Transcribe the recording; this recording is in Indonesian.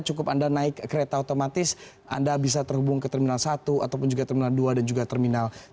cukup anda naik kereta otomatis anda bisa terhubung ke terminal satu ataupun juga terminal dua dan juga terminal tiga